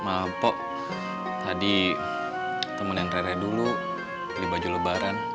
maaf pok tadi temenin rere dulu beli baju lebaran